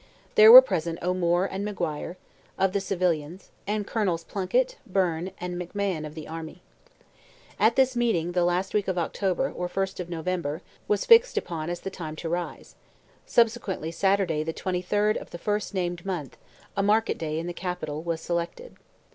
There were present O'Moore and Maguire, of the civilians, and Colonels Plunkett, Byrne, and McMahon of the army. At this meeting the last week of October, or first of November, was fixed upon as the time to rise; subsequently Saturday, the 23rd of the first named month, a market day in the capital was selected.